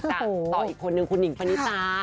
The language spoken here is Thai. แต่ต่ออีกคนนึงคุณหญิงฟ้านิตา